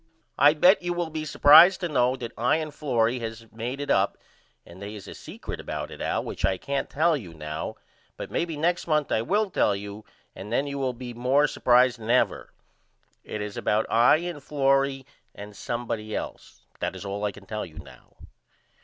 I bet you will be supprised to know that I and Florrie has made it up and they is a secret about it Al which I can't tell you now but maybe next month I will tell you and then you will be more supprised than ever. It is about I and Florrie and somebody else. But that is all I can tell you now.